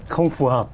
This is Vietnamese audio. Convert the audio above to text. không phù hợp